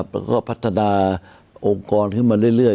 แล้วก็พัฒนาองค์กรขึ้นมาเรื่อย